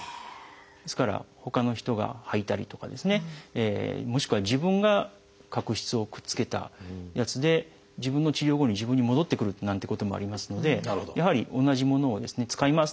ですからほかの人がはいたりとかもしくは自分が角質をくっつけたやつで自分の治療後に自分に戻ってくるなんてこともありますのでやはり同じものを使い回すのはもちろん駄目ですし。